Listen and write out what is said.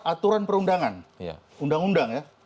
aturan perundangan undang undang ya